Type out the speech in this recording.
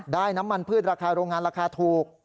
น้ำมันพืชราคาโรงงานราคาถูก